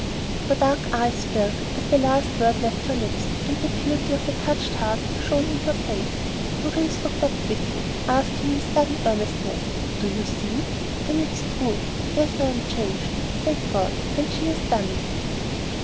Her dark eyes filled as the last word left her lips, and the beauty of a touched heart shone in her face. Maurice looked up quickly, asking with sudden earnestness, "Do you see it? Then it is true. Yes, I am changed, thank God! And she has done it."